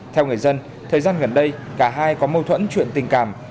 theo người dân thời gian gần đây cả hai có mâu thuẫn chuyện tình cảm